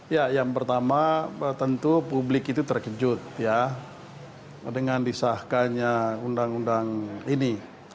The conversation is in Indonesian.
ya yang pertama tentu publik itu terkejut ya dengan disahkannya undang undang ini